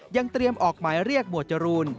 ยังเตรียมออกหมายเรียกหมวดจรูน